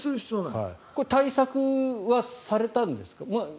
対策はされたんですか？